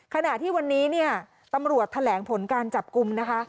ขณะที่วันนี้เนี่ยตำรวจแถลงผลการจับกลุ่มนะคะ